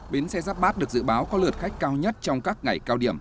bến xe giáp bát được dự báo có lượt khách cao nhất trong các ngày cao điểm